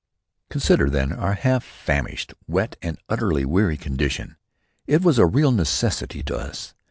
Consider then our half famished, wet and utterly weary condition. It was a real necessity to us.